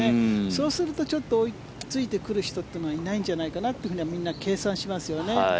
そうするとちょっと追いついてくる人というのはいないんじゃないかなとみんな計算をしますよね。